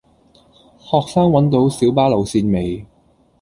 學生搵到小巴路線未